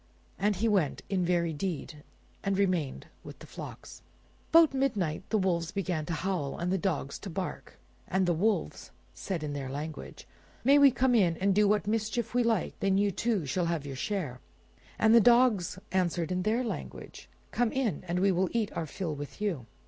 And he went, in very deed, and remained with the flocks. About midnight the wolves began to howl and the dogs to bark, and the wolves said in their language— "May we come in and do what mischief we like? Then you, too, shall have your share." And the dogs answered in their language, "Come in; and we will eat our fill with you."